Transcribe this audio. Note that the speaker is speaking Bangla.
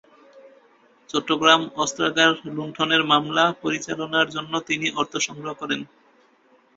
চট্টগ্রাম অস্ত্রাগার লুণ্ঠনের মামলা পরিচালনার জন্য তিনি অর্থ সংগ্রহ করেন।